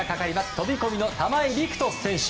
飛込の玉井陸斗選手。